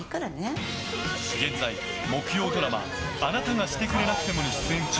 現在、木曜ドラマ「あなたがしてくれなくても」に出演中。